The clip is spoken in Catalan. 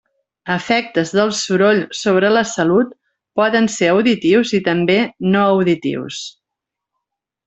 Efectes del soroll sobre la salut poden ser auditius i també no auditius.